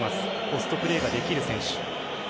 ポストプレーができる選手。